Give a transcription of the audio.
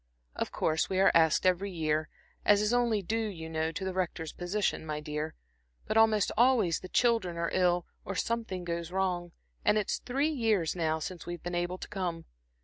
Of course we are asked every year, as is only due, you know, to the Rector's position, my dear; but almost always the children are ill, or something goes wrong, and it's three years now since we've been able to come.